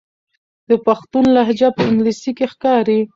د پښتون لهجه په انګلیسي کې ښکاري.